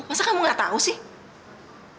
masa kamu gak tahu sih